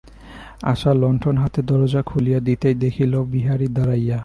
আশা লণ্ঠন-হাতে দরজা খুলিয়া দিতেই দেখিল, বিহারী দাঁড়াইয়া।